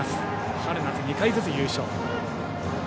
春夏２回ずつ優勝。